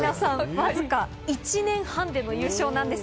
わずか１年半での優勝なんです。